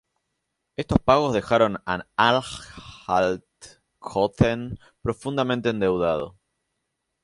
Estos pagos dejaron a Anhalt-Köthen profundamente endeudado.